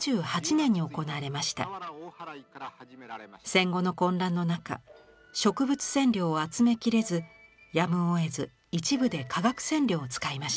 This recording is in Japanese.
戦後の混乱の中植物染料を集めきれずやむをえず一部で化学染料を使いました。